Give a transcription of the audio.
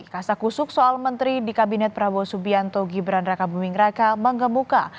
kasakusuk soal menteri di kabinet prabowo subianto gibran raka buming raka mengemuka